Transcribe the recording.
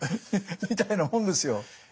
みたいなもんですよ。